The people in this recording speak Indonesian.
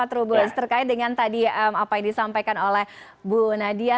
terkait dengan tadi apa yang disampaikan oleh bu nadia